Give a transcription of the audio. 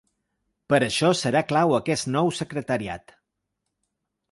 Per això serà clau aquest nou secretariat.